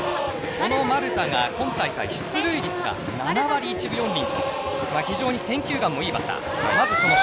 この丸田が今大会が出塁率が７割１分４厘と非常に選球眼もいいバッター。